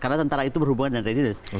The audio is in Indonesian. karena tentara itu berhubungan dengan readiness